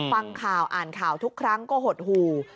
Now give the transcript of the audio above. ฟังข่าวอ่านข่าวทุกครั้งก็หดหู่